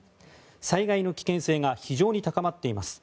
災害の危険性が非常に高まっています。